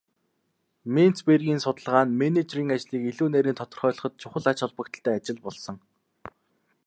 Менцбергийн судалгаа нь менежерийн ажлыг илүү нарийн тодорхойлоход чухал ач холбогдолтой ажил болсон.